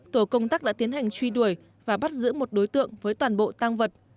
tổ công tác đã tiến hành truy đuổi và bắt giữ một đối tượng với toàn bộ tăng vật